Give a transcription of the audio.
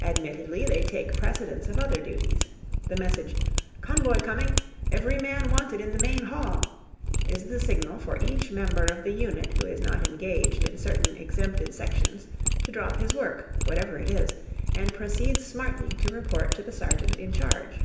Admittedly they take precedence of other duties. The message, "Convoy coming! Every man wanted in the main hall!" is the signal for each member of the unit who is not engaged in certain exempted sections to drop his work, whatever it is, and proceed smartly to report to the sergeant in charge.